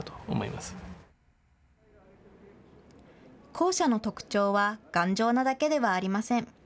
校舎の特徴は頑丈なだけではありません。